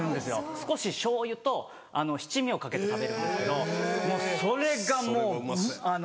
少し醤油と七味をかけて食べるんですけどもうそれがもうあの。